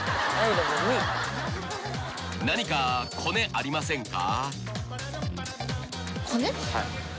［何かコネありませんか？］